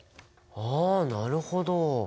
ああなるほど。